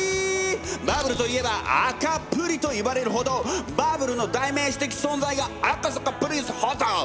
バブルといえば赤プリといわれるほどバブルの代名詞的存在が赤坂プリンスホテル！